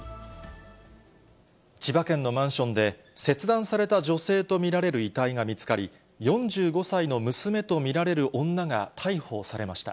千葉県のマンションで、切断された女性と見られる遺体が見つかり、４５歳の娘と見られる女が逮捕されました。